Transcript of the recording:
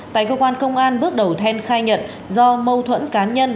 tại cơ quan công an bước đầu then khai nhận do mâu thuẫn cá nhân